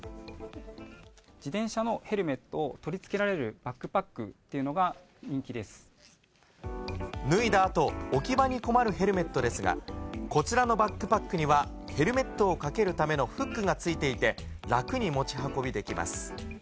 自転車のヘルメットを取り付けられるバックパックっていうの脱いだあと、置き場に困るヘルメットですが、こちらのバックパックには、ヘルメットをかけるためのフックが付いていて、楽に持ち運びできます。